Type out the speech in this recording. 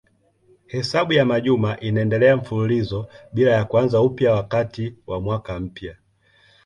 Hesabu ya majuma inaendelea mfululizo bila ya kuanza upya wakati wa mwaka mpya.